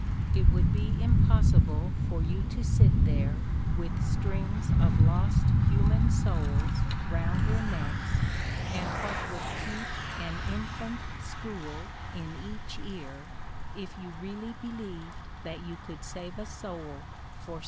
It would be impossible for you to sit there with strings of lost human souls round your necks, and what would keep an infant school in each ear, if you really believed that you could save a soul for £6.